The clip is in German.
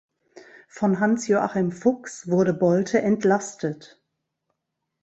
Von Hans Joachim Fuchs wurde Bolte entlastet.